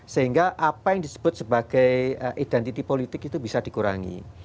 sehingga apa yang disebut sebagai identitas politik itu bisa dikurangi